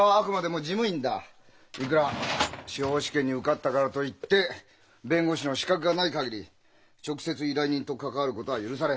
いくら司法試験に受かったからといって弁護士の資格がない限り直接依頼人と関わることは許されん。